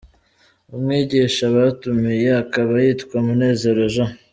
Umwigisha batumiye akaba yitwa Munezero Jean.